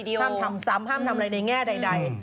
ห้ามทำซ้ำห้ามทำอะไรในแง่ใด